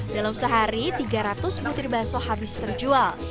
dalam sehari tiga ratus butir baso habis terjual